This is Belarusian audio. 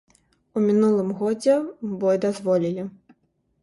У мінулым годзе бой дазволілі.